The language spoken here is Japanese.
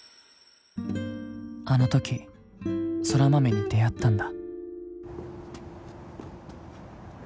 あの時空豆に出逢ったんだ